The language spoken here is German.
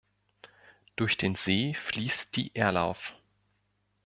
Durch den See fließt die Erlauf.